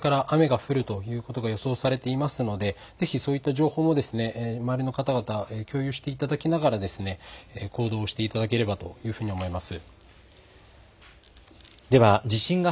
そうですね、これから雨が降るということが予想されていますのでそういった情報を周りの方々と共有していただきながら行動していただければと思います。